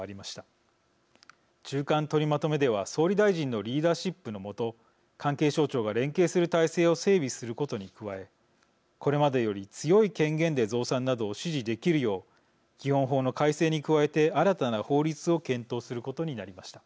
中間取りまとめでは総理大臣のリーダーシップの下関係省庁が連携する体制を整備することに加えこれまでより強い権限で増産などを指示できるよう基本法の改正に加えて新たな法律を検討することになりました。